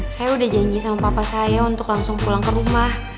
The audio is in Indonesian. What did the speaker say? saya udah janji sama papa saya untuk langsung pulang ke rumah